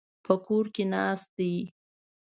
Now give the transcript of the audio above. په کور ناست دی.